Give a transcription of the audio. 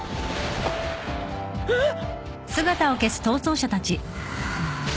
えっ！？